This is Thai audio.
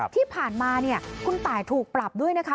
ที่ผ่านมาเนี่ยคุณตายถูกปรับด้วยนะคะ